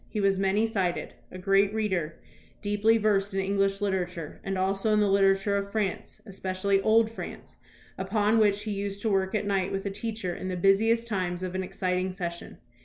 He was many sided; a great reader, deeply versed in English literature, and also in the literature of France, espe cially old France, upon which he used to work at night with a teacher in the busiest times of an exciting session.